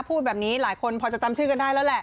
พูดแบบนี้หลายคนพอจะจำชื่อกันได้แล้วแหละ